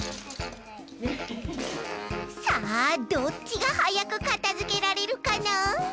さあどっちがはやくかたづけられるかな？